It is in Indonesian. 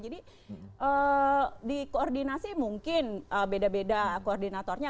jadi di koordinasi mungkin beda beda koordinatornya